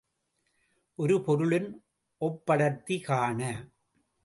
ஒரு பொருளின் ஒப்படர்த்தி காண.